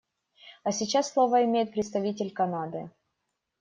А сейчас слово имеет представитель Канады.